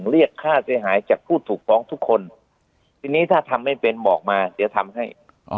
เรียกค่าเสียหายจากผู้ถูกฟ้องทุกคนทีนี้ถ้าทำไม่เป็นบอกมาเดี๋ยวทำให้